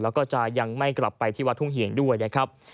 แล้วก็จะยังไม่กลับไปที่วัดทุ่งเหี่ยงด้วยนะครับ